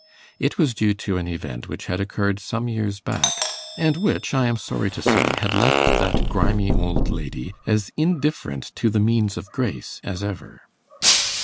It was due to an event which had occurred some years back, and which, I am sorry to say, had left that grimy old lady as indifferent to the means of grace as ever.